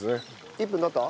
１分になった？